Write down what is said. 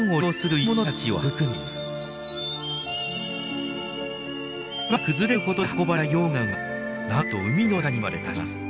山が崩れることで運ばれた溶岩はなんと海の中にまで達します。